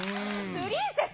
プリンセス。